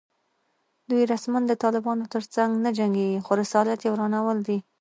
دوی رسماً د طالبانو تر څنګ نه جنګېږي خو رسالت یې ورانول دي